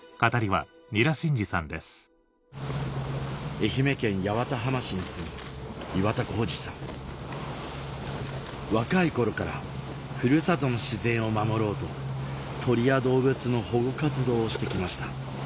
愛媛県八幡浜市に住む若い頃からふるさとの自然を守ろうと鳥や動物の保護活動をして来ました